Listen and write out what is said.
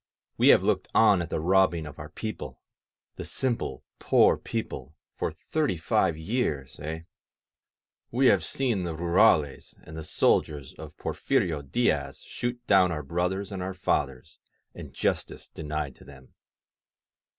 We have looked on at the robbing of our people, the simple, poor people, for thirty five years, eh? We have seen the rurales and the soldiers of Forfirio Diaz shoot down our brothers and our fathers, and justice denied to them.